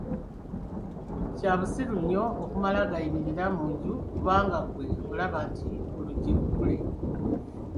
Kya busiru nnyo okumala gayingira mu nju kubanga ggwe olaba nti oluggi luggule.